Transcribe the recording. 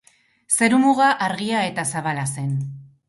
Zerumuga argia eta zabala zen.